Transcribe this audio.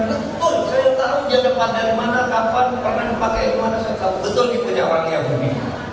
betul saya tahu jangan depan dari mana kapan pernah pakai mana betul itu punya orang yahudi